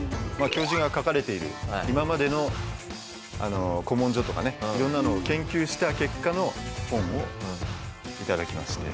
教授が書かれている今までの古文書とかね色んなのを研究した結果の本を頂きまして。